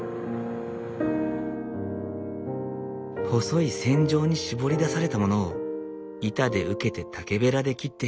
細い線状にしぼり出されたものを板で受けて竹べらで切っていく。